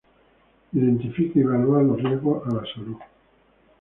Identifica y evalúa los riesgos a la salud.